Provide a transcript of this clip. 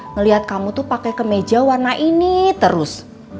ngelihat kamu tuh pakai kemeja warna ini terus